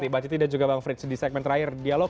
terima kasih juga bang frits di segmen terakhir dialog